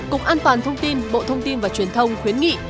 cục an toàn thông tin bộ thông tin và truyền thông khuyến nghị